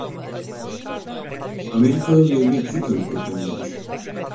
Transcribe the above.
Amerikalı ve Meksikalı kökenlidir.